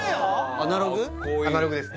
アナログです